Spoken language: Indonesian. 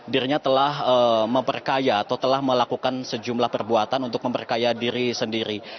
dirinya telah memperkaya atau telah melakukan sejumlah perbuatan untuk memperkaya diri sendiri